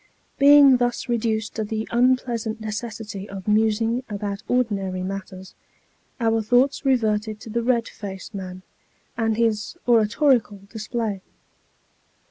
Being thus reduced to the unpleasant necessity of musing about ordinary matters, our thoughts reverted to the red faced man, and his oratorical display.